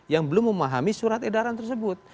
yang belum memahami surat edaran tersebut